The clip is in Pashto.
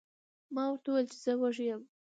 ما ورته وویل چې زه وږی یم.